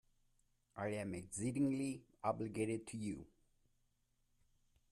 I am exceedingly obliged to you.